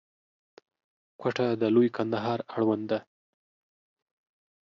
کوټه د لوی کندهار اړوند ده.